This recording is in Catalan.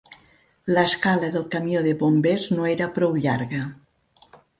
L'escala del camió de bombers no era prou llarga.